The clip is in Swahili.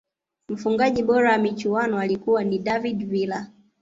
mfungaji bora wa michuano alikuwa ni david villa